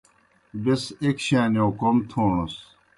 بیْس ایْک شانِیؤ کوْم تھوݨَس۔